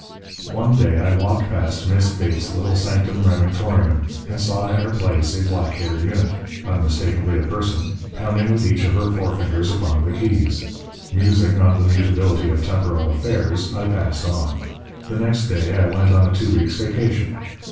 One day I walked past Miss Bates's little sanctum Remingtorium, and saw in her place a black haired unit unmistakably a person pounding with each of her forefingers upon the keys. Musing on the mutability of temporal affairs, I passed on. The next day I went on a two weeks' vacation.